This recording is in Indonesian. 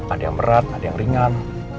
ada yang berat ada yang ringan